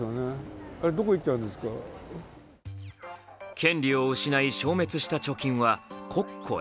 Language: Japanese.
権利を失い、消滅した貯金は国庫へ。